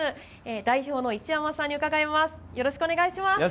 代表の市山さんに伺います。